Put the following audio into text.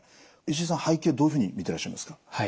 石井さん背景どういうふうに見てらっしゃいますか？